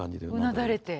うなだれて。